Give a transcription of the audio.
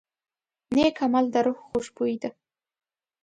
نیک عمل د روح خوشبويي ده.